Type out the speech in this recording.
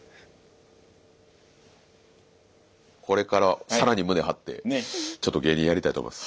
これから更に胸張ってちょっと芸人やりたいと思います。